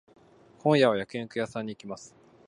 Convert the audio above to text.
今夜は焼肉屋さんに行きます。